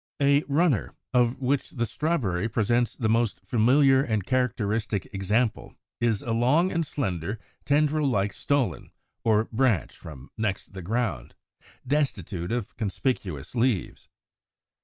=A Runner=, of which the Strawberry presents the most familiar and characteristic example, is a long and slender, tendril like stolon, or branch from next the ground, destitute of conspicuous leaves.